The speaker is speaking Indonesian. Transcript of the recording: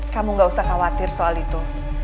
kamu gak usah khawatir soal itu